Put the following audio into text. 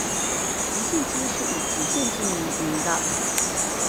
蓟县期是以蓟县纪命名的。